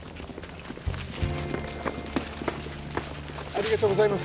ありがとうございます